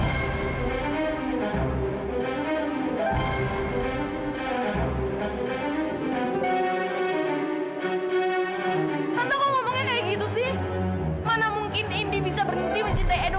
kata kalau ngomongnya kayak gitu sih mana mungkin indy bisa berhenti mencintai edo